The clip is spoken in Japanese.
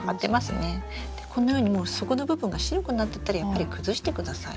このようにもう底の部分が白くなってたらやっぱり崩してください。